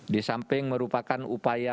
disamping merupakan perubahan